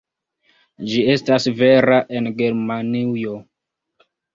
Ĝi estas vera en Germanujo.